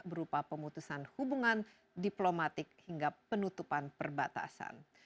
berupa pemutusan hubungan diplomatik hingga penutupan perbatasan